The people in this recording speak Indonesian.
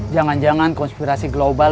jangan jangan konspirasi global